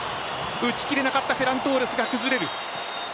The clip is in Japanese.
打ち切れなかったフェラントーレスが崩れる。